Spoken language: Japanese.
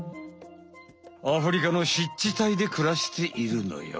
アフリカの湿地帯でくらしているのよ。